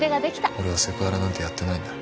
俺はセクハラなんてやってないんだ。